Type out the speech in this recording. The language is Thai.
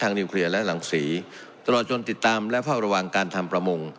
นิวเคลียร์และหลังศรีตลอดจนติดตามและเฝ้าระวังการทำประมง